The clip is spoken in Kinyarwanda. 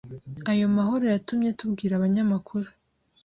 Ayo mahoro yatumye tubwira abanyamakuru